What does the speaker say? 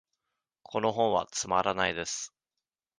この本はつまらないです。